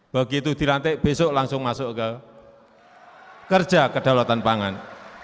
begitu dilantik besok langsung masuk ke kerja kedaulatan pangan